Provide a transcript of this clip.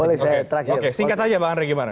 boleh saya terakhir singkat saja pak andre gimana